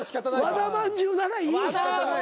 和田まんじゅうならいい。